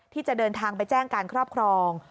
ที่จะเดินทางไปแจ้งการครอบครอง